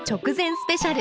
スペシャル」。